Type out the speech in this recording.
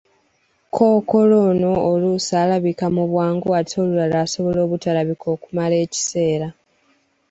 Kookolo ono oluusi alabika mu bwangu ate olulala asobola obutalabika okumala ekiseera